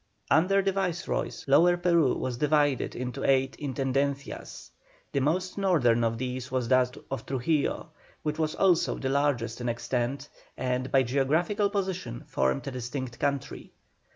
Under the Viceroys, Lower Peru was divided into eight "Intendencias": the most northern of these was that of Trujillo, which was also the largest in extent, and by geographical position formed a distinct country.